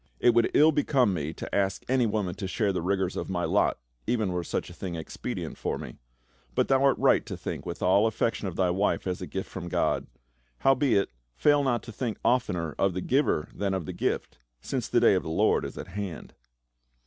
" It would ill become me to ask any woman to share the rigors of my lot, even were such a thing expedient for me. But thou art right to think with all affection of thy wife as a gift from God. Howbeit, fail not to think oftener of the Giver than of the gift, since the day of the Lord is at hand."